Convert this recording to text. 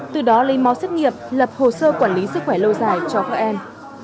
từ đó lấy mó sức nghiệp lập hồ sơ quản lý sức khỏe lâu dài cho các em